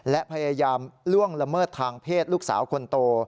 และพยายามล่วงละเมิดทางเพศลูกสาวคนโต